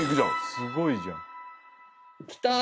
すごいじゃん。来た！